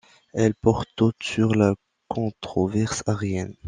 Elles portent toutes sur la controverse arienne.